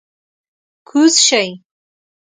کوز شئ!